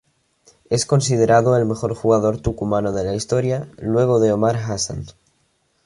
Es considerado el mejor jugador tucumano de la historia, luego de Omar Hasan.